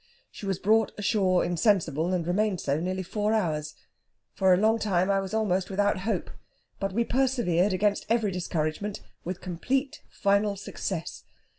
She was brought ashore insensible, and remained so nearly four hours. For a long time I was almost without hope, but we persevered against every discouragement, with complete final success.